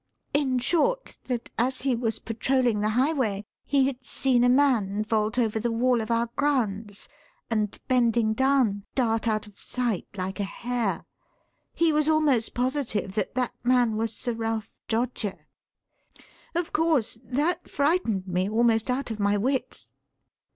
In short, that, as he was patrolling the highway, he had seen a man vault over the wall of our grounds and, bending down, dart out of sight like a hare. He was almost positive that that man was Sir Ralph Droger. Of course that frightened me almost out of my wits."